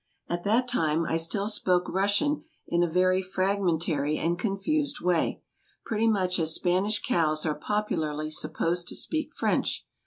At that time I still spoke Russian in a very fragmentary and confused Way — pretty much as Spanish cows are popularly supposed to speak French.